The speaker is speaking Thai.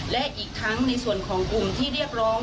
และอีกทั้งในส่วนของกลุ่มที่เรียกร้อง